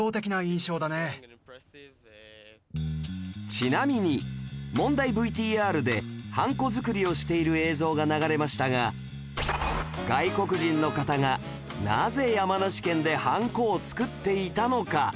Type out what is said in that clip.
ちなみに問題 ＶＴＲ でハンコ作りをしている映像が流れましたが外国人の方がなぜ山梨県でハンコを作っていたのか？